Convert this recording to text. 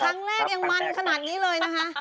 ครั้งแรกยังมันขนาดนี้เลยนะคะ